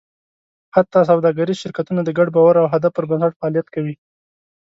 حتی سوداګریز شرکتونه د ګډ باور او هدف پر بنسټ فعالیت کوي.